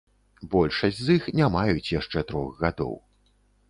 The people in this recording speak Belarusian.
Большасць з іх не маюць яшчэ трох гадоў.